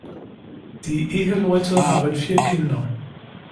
Die Eheleute haben vier Kinder.